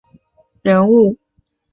中国国民党籍政治人物。